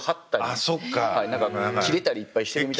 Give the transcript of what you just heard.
何か切れたりいっぱいしてるみたい。